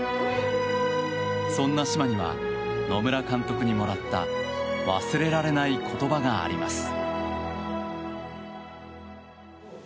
そんな嶋には野村監督にもらった忘れられない言葉があります。